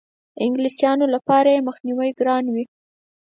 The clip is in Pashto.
انګلیسیانو لپاره یې مخنیوی ګران وي.